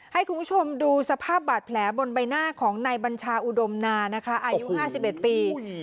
ให้คุณผู้ชมดูสภาพบาดแผลบนใบหน้าของนายบัญชาอุดมนานะคะอายุ๕๑ปี